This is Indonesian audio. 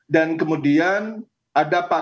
dan kemudian ada paket sembako